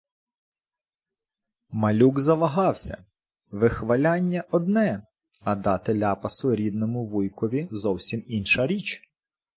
Малюк завагався. Вихваляння — одне, а дати ляпаса рідному вуйкові — зовсім інша річ.